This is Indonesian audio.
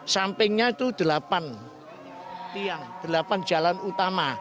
sampingnya itu delapan tiang delapan jalan utama